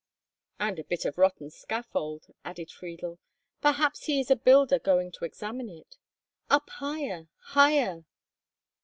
"And a bit of rotten scaffold," added Friedel. "Perhaps he is a builder going to examine it! Up higher, higher!"